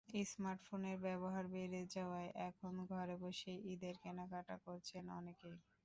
স্মার্টফোনের ব্যবহার বেড়ে যাওয়ায় এখন ঘরে বসেই ঈদের কেনাকাটা করছেন অনেকেই।